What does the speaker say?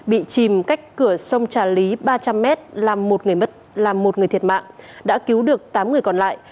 bị chìm cách cửa sông trà lý ba trăm linh m làm một người thiệt mạng đã cứu được tám người còn lại